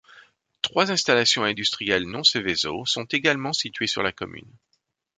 Trois installations industrielles non Seveso sont également situées sur la commune.